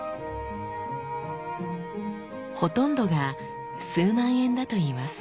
ほとんどが数万円だといいます。